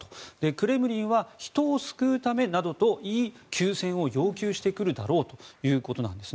クレムリンは人を救うためなどと言い休戦を要求してくるだろうということです。